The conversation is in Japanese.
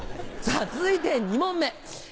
さぁ続いて２問目。